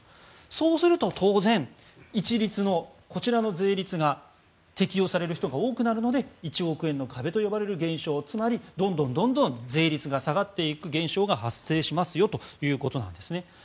そうすると当然、一律のこちらの税率が適用される人が多くなるので１億円の壁と呼ばれる現象つまりどんどん税率が下がっていく現象が発生しますよということなんですね。